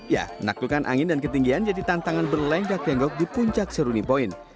ya menaklukkan angin dan ketinggian jadi tantangan berlenggak lenggok di puncak seruni point